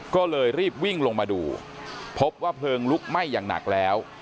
ก็เลยรีบวิ่งลงมาดูพบว่าเพลิงลุกไหม้อย่างหนักแล้ว